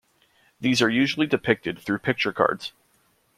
These are usually depicted through picture cards.